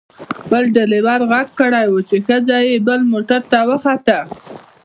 بل ډریور غږ کړی و چې ښځه یې بل موټر ته وخوته.